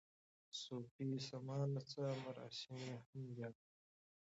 صوفي سما نڅا مراسم یې هم یاد کړي.